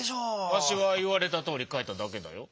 わしはいわれたとおりかいただけだよ。